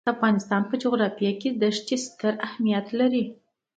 د افغانستان جغرافیه کې دښتې ستر اهمیت لري.